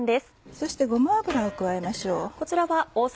そしてごま油を加えましょう。